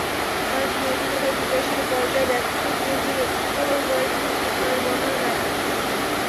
মানুষের নৈতিকতার বিকাশের পর্যায় ব্যাখ্যা করতে গিয়ে কোহলবার্গ তিনটি স্তরের বর্ণনা দেন।